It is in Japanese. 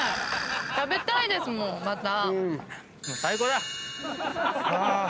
食べたいですもんまた。